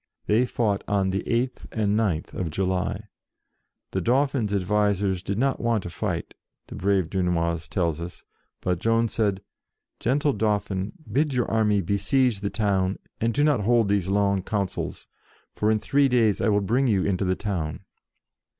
They fought on the 8th and pth of July. The Dauphin's advisers did not want to fight, the brave Dunois tells us, but Joan said, " Gentle Dauphin, bid your army besiege the town, and do not hold these long councils, for in three days I will bring you into the 68 JOAN OF ARC town."